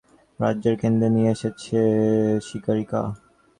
শিকারিরা জন্তুটাকে আমাদের রাজ্যের কেন্দ্রে নিয়ে এসেছে।